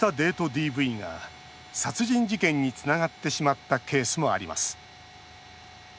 ＤＶが殺人事件につながってしまったケースもあります。